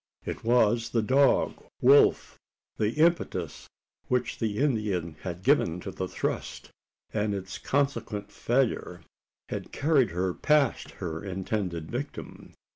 It was the dog Wolf! The impetus which the Indian had given to the thrust, and its consequent failure, had carried her past her intended victim.